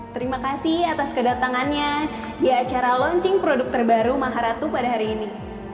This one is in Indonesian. terima kasih atas kedatangannya di acara launching produk terbaru maharatu pada hari ini